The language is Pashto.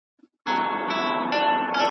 چي د زرکي په څېر تور ته خپل دوستان وړي .